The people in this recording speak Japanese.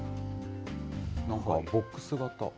なんかボックス型。